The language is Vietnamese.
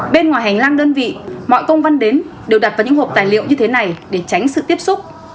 bên ngoài hành lang đơn vị mọi công văn đến đều đặt vào những hộp tài liệu như thế này để tránh sự tiếp xúc